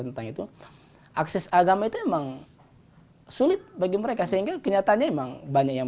tentang itu akses agama itu emang sulit bagi mereka sehingga kenyatanya emang banyak yang